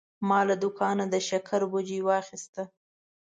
ما له دوکانه د شکر بوجي واخیسته.